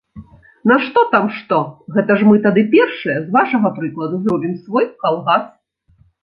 Нашто там што, гэта ж мы тады першыя з вашага прыкладу зробім свой калгас.